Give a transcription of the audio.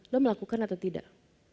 lo melakukan atau tidak